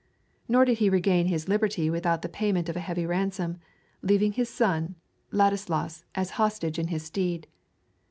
Nor did he regain his liberty without the payment of a heavy ransom, leaving his son, Ladislaus, as hostage in his stead.